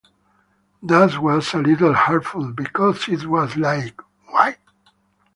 That was a little hurtful because it was like, 'Why?